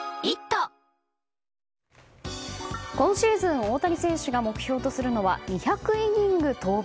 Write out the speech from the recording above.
今シーズン大谷選手が目標とするのは２００イニング登板。